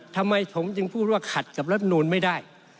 ทำไมผมจึงพูดว่าขัดกับรัฐนูลไม่ได้